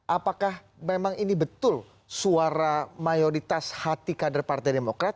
apakah memang ini betul suara mayoritas hati kader partai demokrat